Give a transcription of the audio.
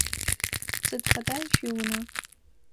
Сыд фэда шъуиунэ?